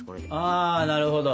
ああなるほど。